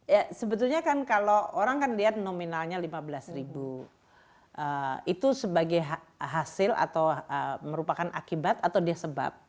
ya sebetulnya kan kalau orang kan lihat nominalnya lima belas ribu itu sebagai hasil atau merupakan akibat atau dia sebab